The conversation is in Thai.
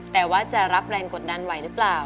แต่ว่าจะรับแรงกดดันไหวหรือเปล่า